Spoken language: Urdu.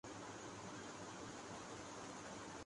کتنے ہی مسافر اس قسم کے الم ناک حادثے سے دوچار ھوۓ